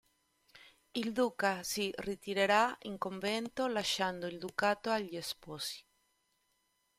Il duca si ritirerà in convento, lasciando il ducato agli sposi.